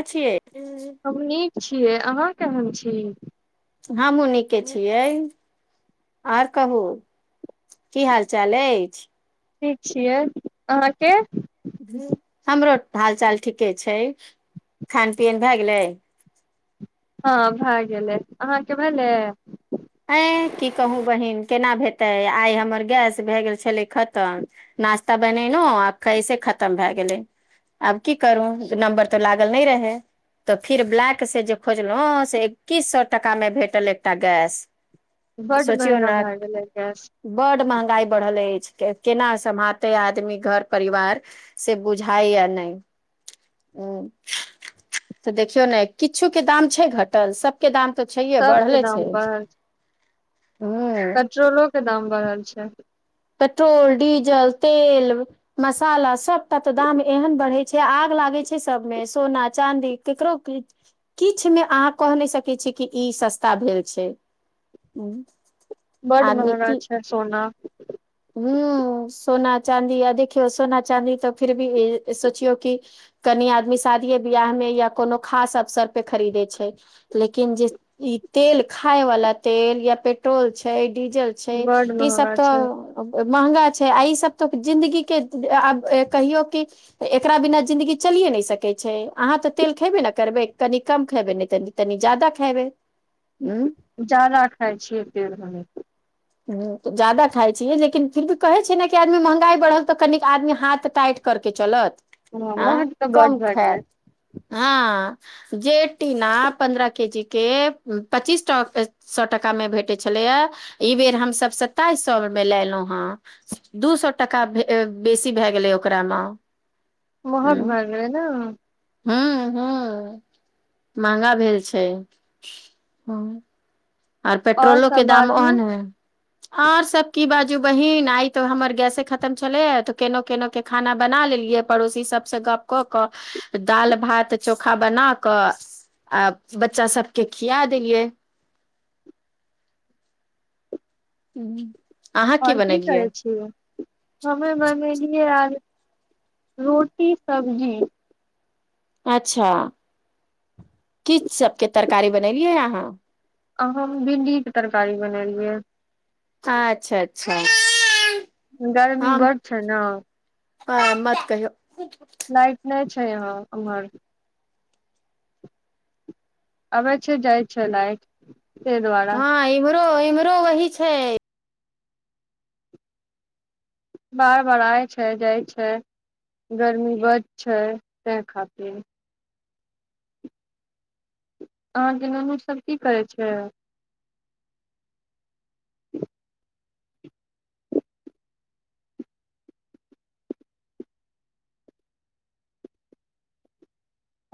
अछिय हम नीक छियै अहाँ केहन छी हमहूँ नीके छियै आओर कहू की हाल चाल अछि ठीक छियै अहाँके हमरो हाल चाल ठीके छै खान पियन भए गेलै हँ भए गेलै अहाँके भेलै ँ की कहू बहीन केना भेतै आइ हमर गैस भए गेल छलै खतम नाश्ता बनेलहुँ आ कैसे खतम भए गेलै आब की करू नम्बर तऽ लागल नहि रहै तऽ फेर ब्लैकसँ जे खोजलहुँ से एकैस सए टाकामे भेटल एकटा गैस बड्ड सोचियौ महंगा ने भए गेलै गैस बड महँगाई बढ़ल अछि के केना सम्मालतै आदमी घर परिवार से बुछाय यै नै देखियौ ने किछो के दाम छै घटल सभके दाम तऽ छैे सबके बढ़ले छै दाम बढ़ल ह पेट्रोलो के दाम बढ़ल छै पेट्रोल डीजल तेल मसाला सभटा तऽ दाम एहन बढ़ै छै आग लागै छै सभमे सोना चाँदी ककरो कि किछुमे अहाँ कहि नहि सकैत छीियै कि ई सस्ता भेल छै बड़ आदमी महंगा छै सोना ह सोना चादी या देखियो सोना चाँदी तऽ फिर भी सोचियो क कनि आदमी शादीे बियाह में या कोनो खास अवसर पे खरीदे छै लेकिन जे ई तेल खाय वाला तेल या पेट्रोल छै डीजल छै बड्ड ई सब महंगा छै तऽ महँगा छै आ ईसभ तऽ जिन्दगीके आब कहियौ कि एकरा बिना जिन्दगी चलिए नहि सकै छै अहाँ तऽ तेल खयबे ने करबै कनि कम खयबै नहि त तनी ज्यादा खयबै जादा खाइ छियै पेड़ भमे ह तऽ ज्यादा खाइ छियै लेकिन फिर भी कहैत छैै ने कि आदमी महँंगाई बढ़ल तऽ कनिक आदमी हाथ टाटि करके चलत ह आँ महत तऽ कम बड भए गेलै खायत हँ जे टीना पन्द्रह केजी के पच्चीस सए टाकामे भेटैत छलैए ई बेर हमसभ स्ताइस सए मे लेललहुँ हँ दू सए टाका बेसी भए गेलै ओकरामे महग भ गेलै ना हू हू महगा भेल छै ह आर और पेट्रोलो सब के दाम बाजू ओहन हय आर सभ की बाजू बहिीन आइ तो हमर गैसे खतम छलैए तऽ केना केन के खाना बना लेलियै पड़ोसी सभसँ गप कऽ कऽ दालि भात चोखा बना कऽ आ बच्चा सभके खिया देलियै [inaudible] आओर की करै छियै हममे मनै रोटी सबब्जी अच्छा कि सबके तरकारी बनेलियै आहाँ आहाँ भिण्डीके तरकारी बनेलियै अच्छा अच्छा गर्मी बड छै ने आ मत कहहिौ लाइट नै छै छै ह हमर आबै छै जाइ छै लाइट ताहि दुआरे हँ इम्हरो इम्हरो वही छै बार बार आइ छै जाइ छै गर्मी बढ़ छै तैहि खातिर अहाँके ननु सब की करै छै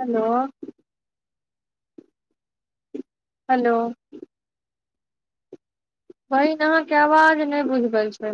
हेलो हेलो बहीन अहाँके आवाज नहि बुझबै छै